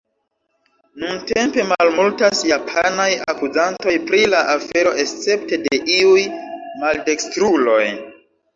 Nuntempe malmultas japanaj akuzantoj pri la afero escepte de iuj maldekstruloj.